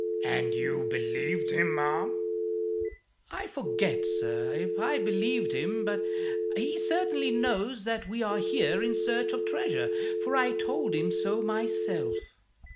"And you believed him, ma'am?" "I forget, sir, if I believed him; but he certainly knows that we are here in search of treasure, for I told him so myself."